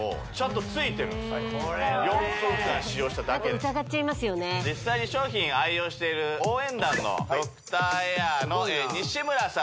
４分間使用しただけ実際に商品愛用している応援団のドクターエアの西村さん